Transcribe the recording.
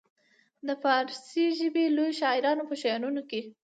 د فارسي ژبې لویو شاعرانو په شعرونو کې.